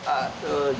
ah tuh jad